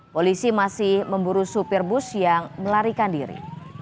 polisi masih memburu supir bus yang melarikan diri